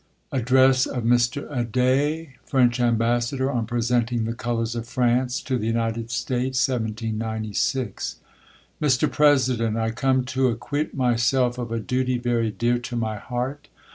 Address of Mr. Adet, French Ambassador, on ; PRESENTING THE CoLOURS OP FrANCE, TO THE United States, 1796. Mr. President, I COME to acquit myself of a duty very dear to my heart.